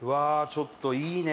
ちょっといいね。